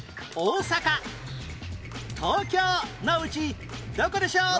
のうちどこでしょう？